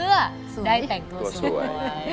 คือมาเพื่อได้แต่งตัวสวย